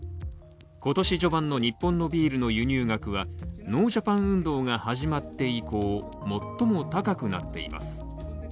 今年序盤の日本のビールの輸入額は、ノージャパン運動が始まって以降、最も高くなっています。